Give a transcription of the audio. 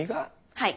はい。